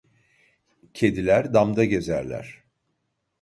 Kediler damda gezerler.